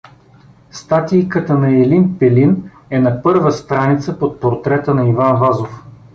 Статийката на Елин Пелин е на първа страница под портрета на Иван Вазов.